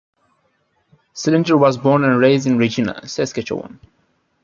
Sillinger was born and raised in Regina, Saskatchewan.